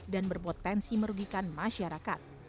dan berpotensi merugikan masyarakat